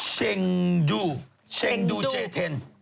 เช็งดูเช็งดูเจเทน